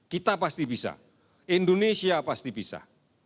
kita pasti bisa indonesia pasti bisa